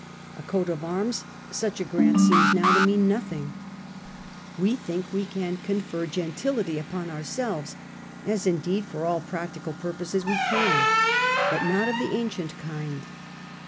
A coat of arms ; such a grant seems now to mean nothing. We think we can confer gentility upon ourselves — as, indeed, for all practical purposes wo can ; but not of the ancient kind.